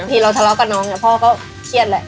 ทีเราทะเลาะกับน้องพ่อก็เครียดเลย